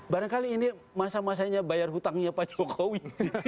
barangkali ini masa masanya bayar hutangnya pak jokowi